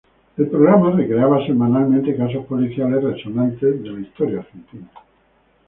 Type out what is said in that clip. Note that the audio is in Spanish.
El programa recreaba semanalmente casos policiales resonantes de la historia argentina.